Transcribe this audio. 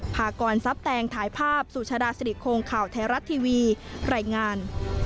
พากรทรัพย์แตงถ่ายภาพสุชาดาสิริโครงข่าวไทยรัฐทีวีรายงาน